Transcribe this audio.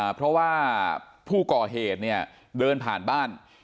เพราะว่าผู้ก่อเหตุเนี่ยเดินผ่านบ้าน